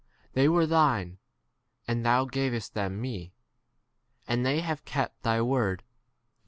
They were thine, and thou gavest them me, and they have 7 kept thy word.